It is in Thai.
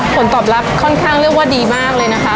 ผลตอบรับค่อนข้างเรียกว่าดีมากเลยนะคะ